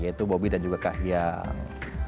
yaitu bobby dan juga kahyang